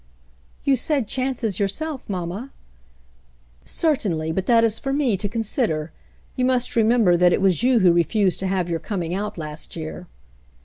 "You said 'chances' yourself, mamma." "Certainly, but that is for me to consider. You must remember that it was you who refused to have your coming out last year."